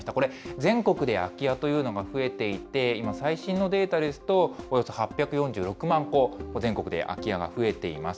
全国で空き家というのが増えていて、今、最新のデータですと、およそ８４６万戸、全国で空き家が増えています。